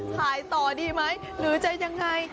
ขายต่อดีไหมหรือจะยังไง